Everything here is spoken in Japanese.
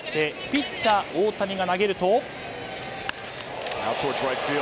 ピッチャー大谷が投げると。